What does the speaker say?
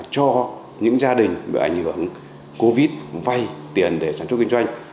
cho những gia đình bị ảnh hưởng covid một mươi chín vay tiền để sản xuất kinh doanh